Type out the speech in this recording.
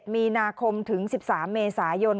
๒๗มีน๑๓เมษายน